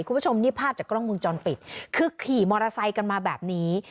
คุณผู้ชมนี่ภาพจากกล้องมุมจรปิดคือขี่มอเตอร์ไซค์กันมาแบบนี้